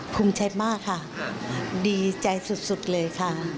ภูมิใจมากค่ะดีใจสุดเลยค่ะ